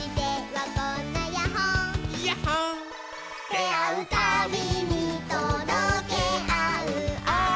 「であうたびにとどけあうアイコトバ」